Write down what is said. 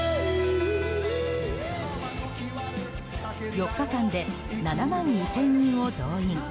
４日間で７万２０００人を動員。